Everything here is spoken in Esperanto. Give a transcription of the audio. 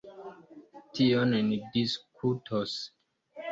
Tion ni diskutos.